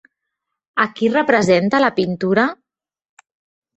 A qui representa la pintura?